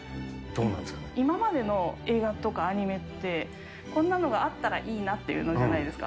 今までの映画とかアニメって、こんなのがあったらいいなっていうのじゃないですか。